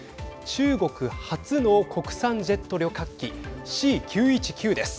中国初の国産ジェット旅客機Ｃ９１９です。